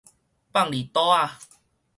放痢肚仔